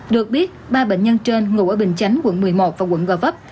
được biết ba bệnh nhân trên ngụ ở bình chánh quận một mươi một và quận gò vấp